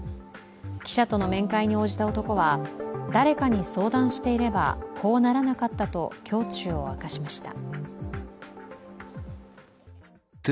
記者との面会に応じた男は誰かに相談していればこうならなかったと胸中を明かしました。